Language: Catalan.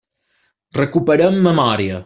Recuperem memòria.